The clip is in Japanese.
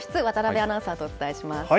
渡辺アナウンサーとお伝えします。